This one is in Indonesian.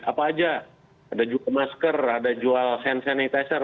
apa aja ada jual masker ada jual hand sanitizer